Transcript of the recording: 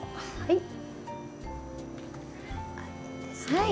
はい。